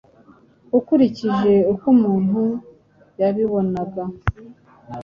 Ukurikije uko umuntu yabibonaga,